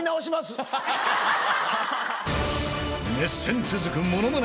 ［熱戦続く『ものまね王座』］